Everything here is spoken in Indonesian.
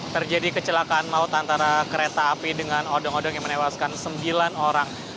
terjadi kecelakaan maut antara kereta api dengan odong odong yang menewaskan sembilan orang